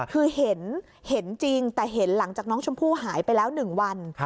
คือเห็นจริงแต่เห็นหลังจากน้องชมพู่หายไปแล้ว๑วัน